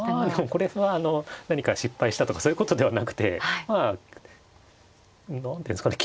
これはあの何か失敗したとかそういうことではなくてまあ何ていうんですかね